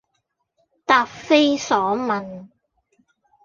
答非所問